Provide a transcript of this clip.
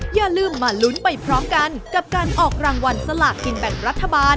อย่าลืมมาลุ้นไปพร้อมกันกับการออกรางวัลสลากกินแบ่งรัฐบาล